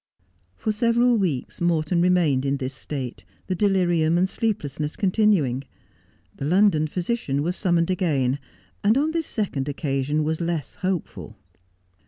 For several weeks Morton remained in this state, the delirium and sleeplessness continuing. The London physician was summoned again, and on this second occasion was less hopeful.